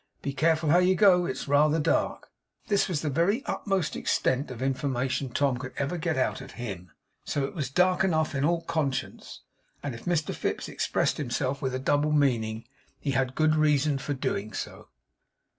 Be careful how you go. It's rather dark.' This was the very utmost extent of information Tom could ever get out of HIM. So it was dark enough in all conscience; and if Mr Fips expressed himself with a double meaning, he had good reason for doing so.